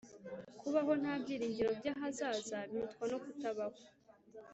kubaho ntabyiringiro byahazaza birutwa no kutabaho